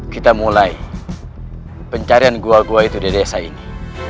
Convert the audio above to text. kita mulai pencarian gua gua itu di desa ini